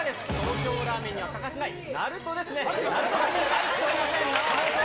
しょうゆラーメンには欠かせないなるとですね、なるとが入っておりません。